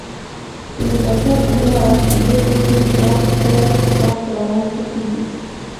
د نظافت د نه مراعت کېدو پیښې وخت په وخت رامنځته کیږي